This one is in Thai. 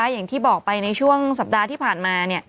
อย่างที่บอกไปในช่วงสัปดาห์ที่ผ่านมา